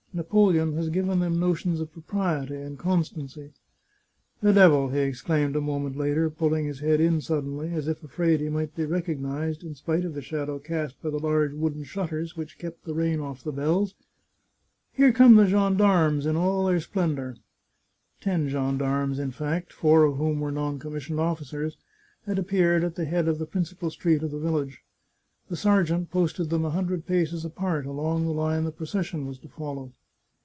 Napoleon has given them notions of propriety and constancy. " The devil !" he exclaimed a moment later, pulling his 173 The Chartreuse of Parma head in suddenly, as if afraid he might be recognised, in spite of the shadow cast by the huge wooden shutters which kept the rain off the bells. " Here come the gendarmes in all their splendour !" Ten gendarmes, in fact, four of whom were non commissioned officers, had appeared at the head of the principal street of the village. The sergeant posted them a hundred paces apart, along the line the procession was to follow.